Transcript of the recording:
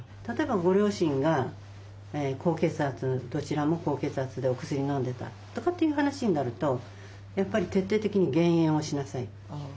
例えばご両親が高血圧どちらも高血圧でお薬のんでたとかっていう話になるとやっぱり徹底的に減塩をしなさい。